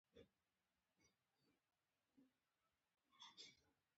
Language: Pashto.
احمده زما پر کار ګوتې مه وهه.